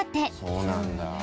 そうなんだ。